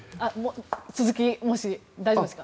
続き、もし大丈夫ですか？